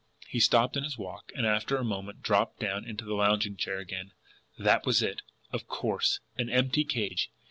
He stopped in his walk, and, after a moment, dropped down into the lounging chair again. That was it, of course. An empty cage!